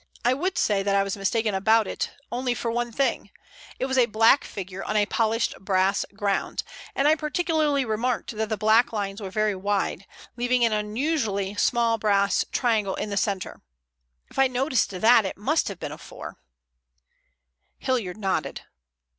I would say that I was mistaken about it only for one thing. It was a black figure on a polished brass ground, and I particularly remarked that the black lines were very wide, leaving an unusually small brass triangle in the center. If I noticed that, it must have been a 4." Hilliard nodded.